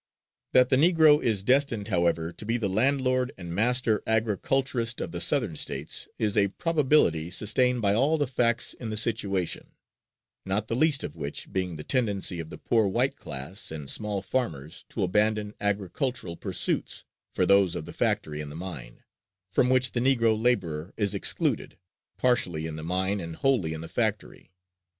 That the Negro is destined, however, to be the landlord and master agriculturist of the Southern States is a probability sustained by all the facts in the situation; not the least of which being the tendency of the poor white class and small farmers to abandon agricultural pursuits for those of the factory and the mine, from which the Negro laborer is excluded, partially in the mine and wholly in the factory.